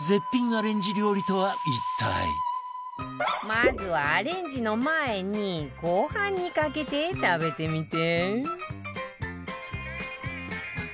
まずはアレンジの前にご飯にかけて食べてみて